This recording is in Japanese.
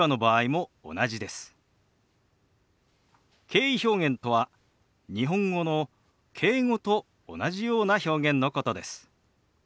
敬意表現とは日本語の「敬語」と同じような表現のことです。